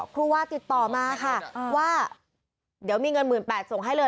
ครูวาติดต่อมาค่ะว่าเดี๋ยวมีเงิน๑๘๐๐ส่งให้เลย